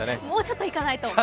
もうちょっといかないと。